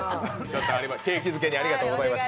景気づけにありがとうございました。